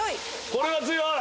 これは強い。